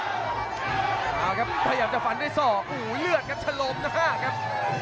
พยายามจะฝันด้วยสองอู้วเหลือดกับชะลมนะครับ